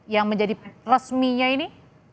yang menjadi resminya ini